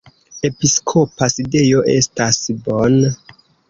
Episkopa sidejo estas Bonn.